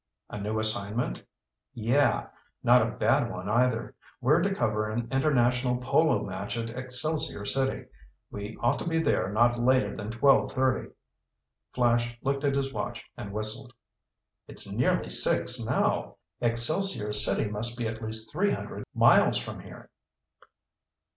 "A new assignment?" "Yeah. Not a bad one either. We're to cover an International polo match at Excelsior City. We ought to be there not later than twelve thirty." Flash looked at his watch and whistled. "It's nearly six now. Excelsior City must be at least three hundred miles from here."